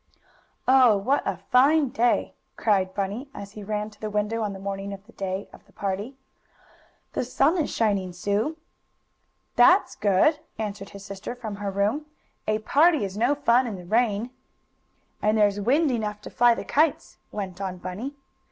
"Oh, what a fine day!" cried Bunny, as he ran to the window on the morning of the day of the party. "The sun is shining, Sue!" "That's good," answered his sister from her room. "A party is no fun in the rain." "And there's wind enough to fly the kites," went on Bunny.